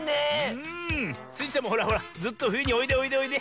うん。スイちゃんもほらほらずっとふゆにおいでおいでおいで。